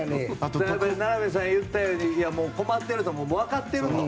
名波さんが言ったように困ってるのは分かっていると。